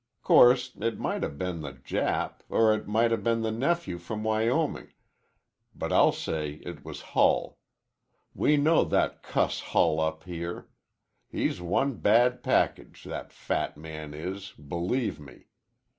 'Course it might 'a' been the Jap, or it might 'a' been the nephew from Wyoming, but I'll say it was Hull. We know that cuss Hull up here. He's one bad package, that fat man is, believe me.